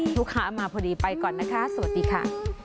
ลูกค้ามาพอดีไปก่อนนะคะสวัสดีค่ะ